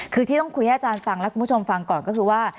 คือที่ต้องคุยให้อาจารย์ฟังและคุณผู้ชมฟังก่อนก็คือว่า